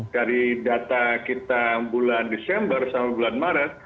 dari data kita bulan desember sama bulan maret